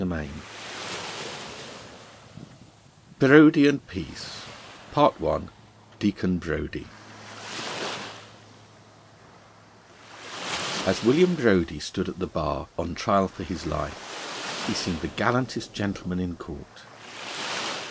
DEACON BRODIE AND CHARLES PEACE I DEACON BRODIE AS William Brodie stood at the bar, on trial for a his life, he seemed the gallantest gentleman in court.